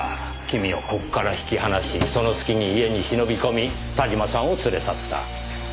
君をここから引き離しその隙に家に忍び込み田島さんを連れ去った。